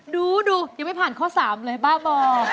ดูยังไม่ผ่านข้อ๓เลยบ้าบอก